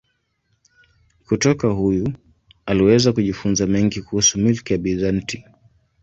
Kutoka huyu aliweza kujifunza mengi kuhusu milki ya Bizanti.